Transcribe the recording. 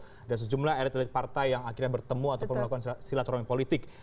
ada sejumlah elit elit partai yang akhirnya bertemu atau melakukan silat roming politik